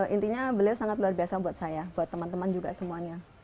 intinya beliau sangat luar biasa buat saya buat teman teman juga semuanya